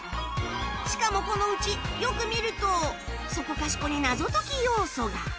しかもこの家よく見るとそこかしこに謎解き要素が